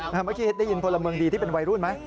เมื่อกี้ได้ยินพลเมืองดีที่เป็นวัยรุ่นไหม